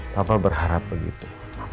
papa berharap begitu